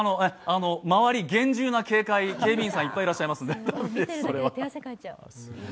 周り厳重な警戒、警備員さんいっぱいいらっしゃるので。